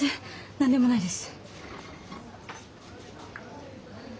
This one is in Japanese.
何でもないです。